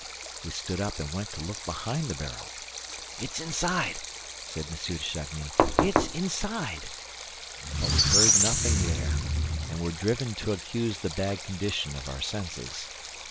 ..." We stood up and went to look behind the barrel. "It's inside," said M. de Chagny, "it's inside!" But we heard nothing there and were driven to accuse the bad condition of our senses.